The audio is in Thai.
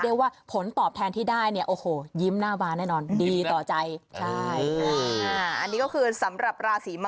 เรียกว่าผลตอบแทนที่ได้ยิ้มหน้าบาลดีต่อใจ